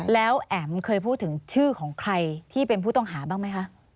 แล้วแอ๋มเคยพูดถึงชื่อของใครที่เป็นผู้ต้องหาบ้างไหมคะ